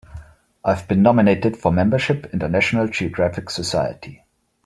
I've been nominated for membership in the National Geographic Society.